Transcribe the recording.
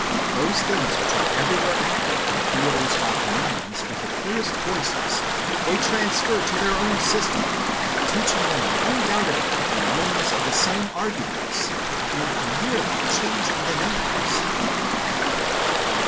Those tilings which are everywhere acted in the theatres by comedians with the clearest voices they transfer to their own system, teaching them undoubtedly through means of the same arguments, and merely changing the names.